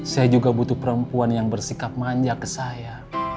saya juga butuh perempuan yang bersikap manja ke saya